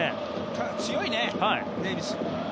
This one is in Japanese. ただ強いね、デイビス。